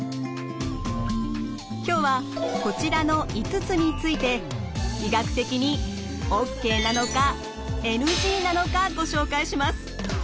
今日はこちらの５つについて医学的にＯＫなのかＮＧなのかご紹介します。